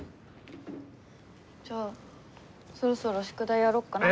じゃあそろそろ宿題やろっかな。